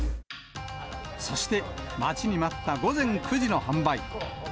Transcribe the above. そして、待ちに待った午前９時の販売。